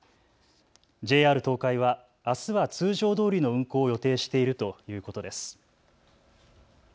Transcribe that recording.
ＪＲ東海はあすは通常どおりの運行を予定しているということです。